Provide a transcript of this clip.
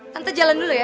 nanti jalan dulu ya